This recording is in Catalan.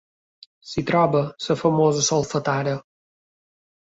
S'hi troba la famosa Solfatara.